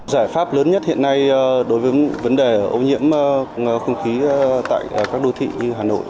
giải pháp lớn nhất hiện nay đối với vấn đề ô nhiễm không khí tại các đô thị như hà nội